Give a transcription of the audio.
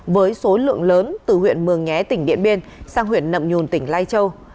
với số lượng lớn từ huyện mường nhé tỉnh điện biên sang huyện nậm nhùn tỉnh lai châu